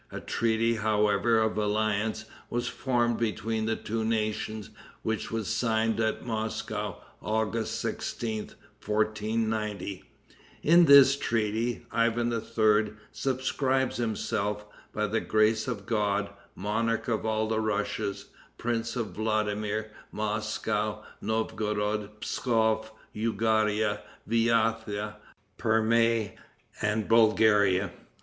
A treaty, however, of alliance was formed between the two nations which was signed at Moscow, August 16th, 1490. In this treaty, Ivan III. subscribes himself, "by the grace of God, monarch of all the Russias, prince of Vladimir, Moscow, Novgorod, Pskof, Yougra, Viatha, Perme and Bulgaria."